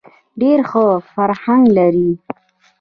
ډېر ښه فرهنګ لري.